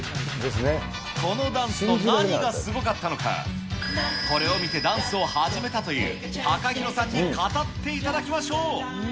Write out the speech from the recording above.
このダンスの何がすごかったのか、これを見て、ダンスを始めたというＴＡＫＡＨＩＲＯさんに語っていただきまし